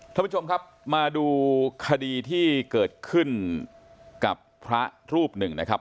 ท่านผู้ชมครับมาดูคดีที่เกิดขึ้นกับพระรูปหนึ่งนะครับ